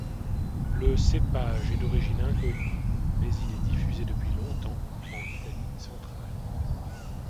Le cépage est d'origine inconnue mais il est diffusé depuis longtemps en Italie centrale.